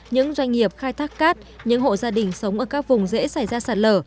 những doanh nghiệp khai thác cát những hộ gia đình sống ở các vùng dễ xảy ra sạt lở